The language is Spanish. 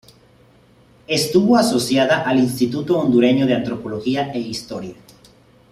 Estuvo asociada al Instituto Hondureño de Antropología e Historia.